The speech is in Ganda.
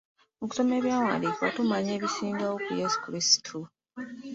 Mu kusoma ebyawandiikibwa, tumanya ebisingawo ku Yesu Krisitu.